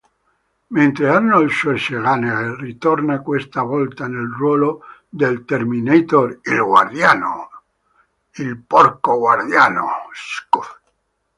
Mentre Arnold Schwarzenegger ritorna questa volta nel ruolo del Terminator il "Guardiano".